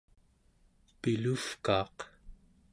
pilu'uvkaaq